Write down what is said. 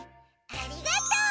ありがとう！